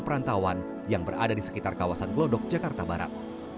perantauan yang berada di sekitar kawasan glodok jakarta barat